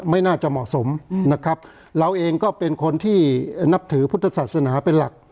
ไม่น่าจะเหมาะสมนะครับเราเองก็เป็นคนที่นับถือพุทธศาสนาเป็นหลัก